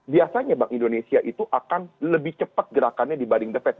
biasanya bank indonesia itu akan lebih cepat gerakannya dibanding the fed